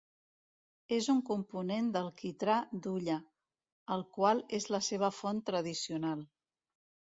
És un component del quitrà d'hulla, el qual és la seva font tradicional.